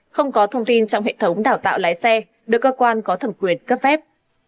không có thông tin trong hệ thống đào tạo lái xe được cơ quan có thẩm quyền cấp phép